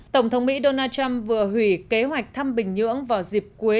tổng thống mỹ donald trump vừa hủy kế hoạch thăm bình nhưỡng vào dịp cuối